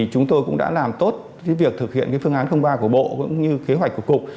chúng tôi cũng đã làm tốt việc thực hiện phương án ba của bộ cũng như kế hoạch của cục